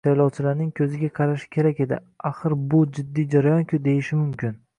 saylovchilarning ko‘ziga qarashi kerak edi, axir bu jiddiy jarayonku deyishi mumkin.